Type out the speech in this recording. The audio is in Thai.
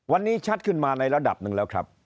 วันนี้ชัดขึ้นมาในระดับหนึ่งแล้วครับ